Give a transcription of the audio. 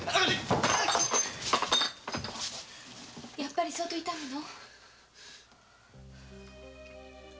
やっぱり相当痛むの？